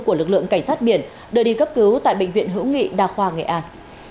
của lực lượng cảnh sát biển đưa đi cấp cứu tại bệnh viện hữu nghị đa khoa nghệ an